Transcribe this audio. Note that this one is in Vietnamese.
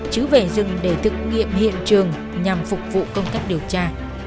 chứ về rừng để thực nghiệm hiện trường nhằm phục vụ công tác điều tra